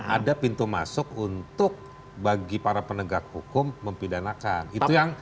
ada pintu masuk untuk bagi para penegak hukum mempidanakan